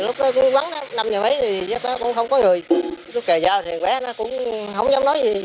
lúc đó cũng không có người lúc kề dao thì bé nó cũng không dám nói gì